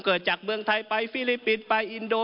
เกิดจากเมืองไทยไปฟิลิปปินส์ไปอินโด